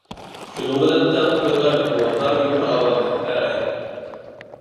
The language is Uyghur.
شۇنىڭ بىلەن تەڭ تۆت ئايلىق بوۋاقلار يۇقىرى ئاۋازدا كۈلەلەيدۇ.